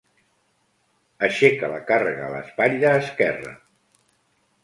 Aixeca la càrrega a l'espatlla esquerra.